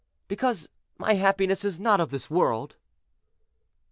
"Because my happiness is not of this world."